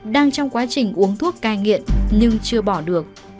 đang trong quá trình uống thuốc cai nghiện nhưng chưa bỏ được